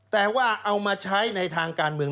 แต่ว่าเอามาใช้ในทางการเมือง